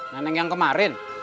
nenek yang kemarin